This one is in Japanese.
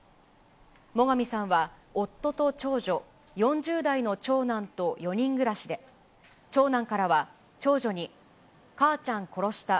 最上さんは夫と長女、４０代の長男と４人暮らしで、長男からは、長女に、母ちゃん殺した。